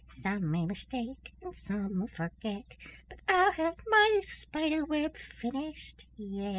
Some may mistake and some forget, But I'll have my spider web finished yet."